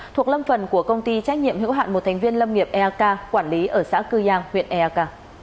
thuộc lâm phần của công ty trách nhiệm hiệu hạn một thành viên lâm nghiệp erk quản lý ở xã cư giang huyện erk